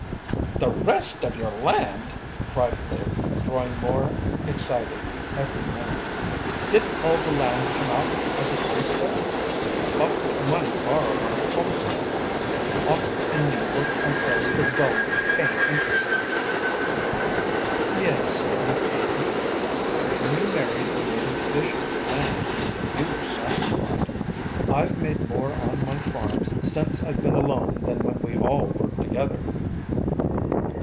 "The rest of your land!" cried Lou, growing more excited every minute. "Didn't all the land come out of the homestead? It was bought with money borrowed on the homestead, and Oscar and me worked ourselves to the bone paying interest on it." "Yes, you paid the interest. But when you married we made a division of the land, and you were satisfied. I've made more on my farms since I've been alone than when we all worked together."